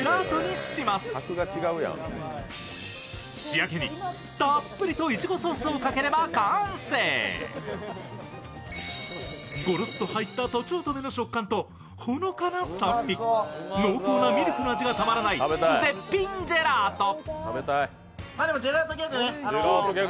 新「アタックＺＥＲＯ」ゴロッと入ったとちおとめの食感とほのかな酸味、濃厚なミルクの味がたまらない絶品ジェラート。